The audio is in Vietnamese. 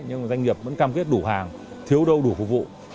nhưng doanh nghiệp vẫn cam kết đủ hàng thiếu đâu đủ phục vụ